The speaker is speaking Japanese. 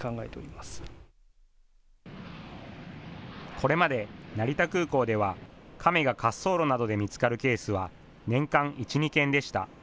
これまで成田空港では、カメが滑走路などで見つかるケースは年間１、２件でした。